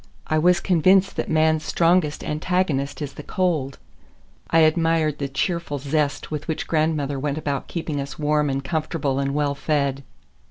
I was convinced that man's strongest antagonist is the cold. I admired the cheerful zest with which grandmother went about keeping us warm and comfortable and well fed.